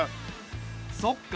そっか。